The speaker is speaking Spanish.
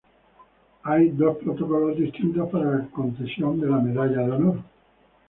Hay dos protocolos distintos para la concesión de la Medalla de Honor.